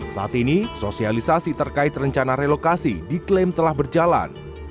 saat ini sosialisasi terkait rencana relokasi diklaim telah berjalan